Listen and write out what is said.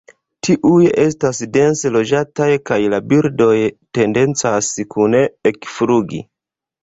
Tiuj estas dense loĝataj kaj la birdoj tendencas kune ekflugi.